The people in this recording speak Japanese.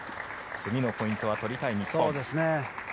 次のポイントは取りたい日本。